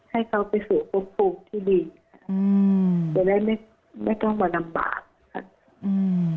ให้เขาไปสู่ควบคุมที่ดีอืมแต่แม่ไม่ไม่ต้องมาลำบากอืม